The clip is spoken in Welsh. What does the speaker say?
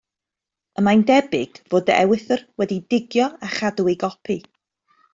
Y mae'n debyg fod fy ewythr wedi digio a chadw ei gopi.